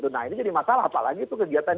nah ini jadi masalah apalagi itu kegiatan